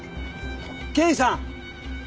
刑事さん！